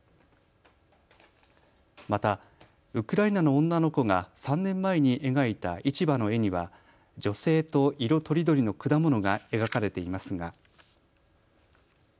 またウクライナの女の子が３年前に描いた市場の絵には女性と色とりどりの果物が描かれていますが。